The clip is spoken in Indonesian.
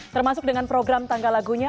termasuk dengan program tanggal lagunya